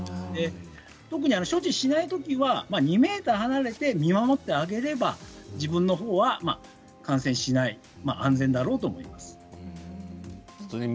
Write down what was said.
特に所持しないときは２ｍ離れて見守ってあげれば自分のほうが感染しない安全だろうと思います。